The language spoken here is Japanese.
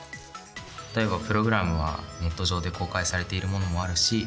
例えばプログラムはネット上で公開されているものもあるし